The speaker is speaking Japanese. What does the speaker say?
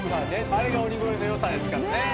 あれが鬼越の良さですからね。